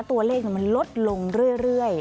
ตัวเลขมันลดลงเรื่อย